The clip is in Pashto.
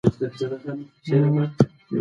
دا ونې زموږ په باغ کې ډېرې زړې دي.